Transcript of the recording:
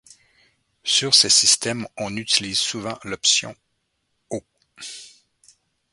Sur ces systèmes on utilise souvent l'option aux.